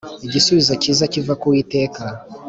Igisubizo cyiza kiva ku uwiteka